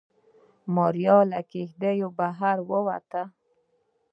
ماريا له کېږدۍ بهر ووته.